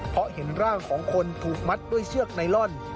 เพราะเห็นร่างของคนถูกมัดด้วยเชือกไนลอน